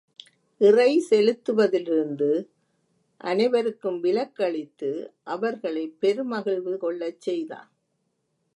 இறை செலுத்துவதிலிருந்து அனை வருக்கும் விலக்கு அளித்து அவர்களைப் பெரு மகிழ்வு கொள்ளச் செய்தான்.